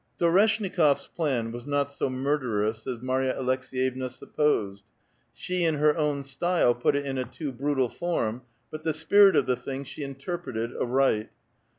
Storeshnikop's plan was not so murderous as Marya Alek ' s^yevna supposed ; she in her own style put it in a too bru i tal form, but the spirit of the thing she interpreted aright.